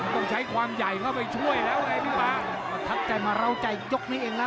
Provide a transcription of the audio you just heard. ต้องใช้ความใหญ่เข้าไปช่วยแล้วไงพี่ป๊าประทับใจมาเล่าใจยกนี้เองนะ